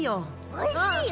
おいしいよ。